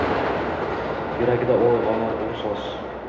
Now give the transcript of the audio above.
Yuragingda uyg’onur u soz